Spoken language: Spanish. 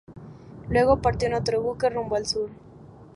Luego partió en otro buque rumbo al sur.